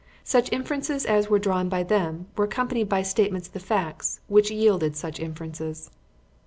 Such inferences as were drawn by them were accompanied by statements of the facts which yielded such inferences.